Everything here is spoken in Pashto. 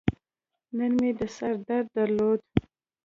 نن مې د سر درد درلود.